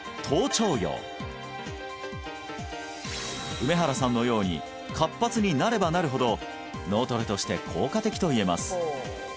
梅原さんのように活発になればなるほど脳トレとして効果的といえます